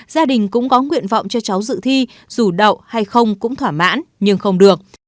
gia đình cũng có nguyện vọng cho cháu dự thi dù đậu hay không cũng thỏa mãn nhưng không được